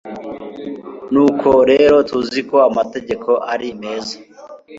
nuko rero tuzi ko amategeko ari meza